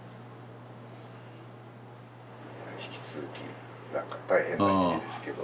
引き続き大変な時期ですけど。